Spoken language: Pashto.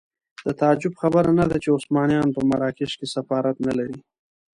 د تعجب خبره نه ده چې عثمانیان په مراکش کې سفارت نه لري.